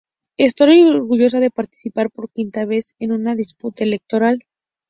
Estoy orgullosa de participar por quinta vez en una disputa electoral".